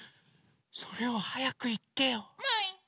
それをはやくいってよ。もい！